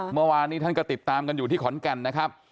เมื่อวานนี้ท่านก็ติดตามกันอยู่ที่ขอนแก่นนะครับ